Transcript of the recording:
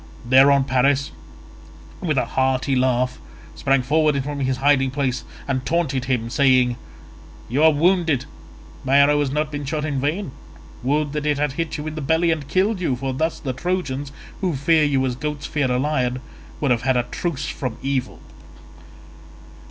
Thereon Paris with a hearty laugh sprang forward from his hiding place, and taunted him saying, "You are wounded—my arrow has not been shot in vain; would that it had hit you in the belly and killed you, for thus the Trojans, who fear you as goats fear a lion, would have had a truce from evil."